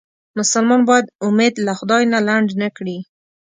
مسلمان باید امید له خدای نه لنډ نه کړي.